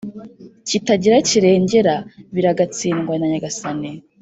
kitagira kirengera biragatsindwa nanyagasani